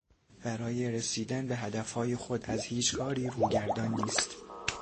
برای رسیدن به هدفهای خود از هیچ کاری روگردان نیست.